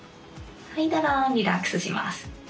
吐いたらリラックスします。